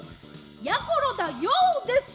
やころだＹＯ！です。